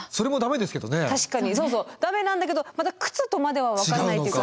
そうそう駄目なんだけどまた靴とまでは分からないというか。